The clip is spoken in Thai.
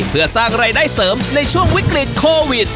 เพื่อสร้างรายได้เสริมในช่วงวิกฤตโควิด